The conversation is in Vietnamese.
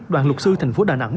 đoàn luật sư thành phố đà nẵng